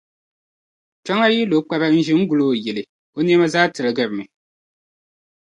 Kpiɔŋlan’ yi lo kpara n-ʒe n-gul’ o yili, o nɛma zaa tiligirimi.